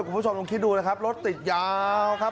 คุณผู้ชมลองคิดดูนะครับรถติดยาวครับ